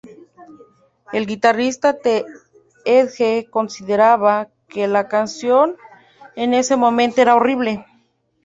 El guitarrista The Edge consideraba que la canción en ese momento era horrible.